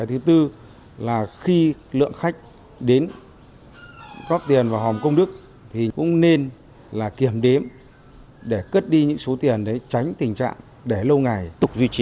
thứ tư là khi lượng khách đến góp tiền vào hòm công đức thì cũng nên kiểm đếm để cất đi những số tiền để tránh tình trạng để lâu ngày tục duy trì